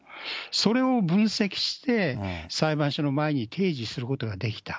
それを分析して、裁判所の前に提示することができた。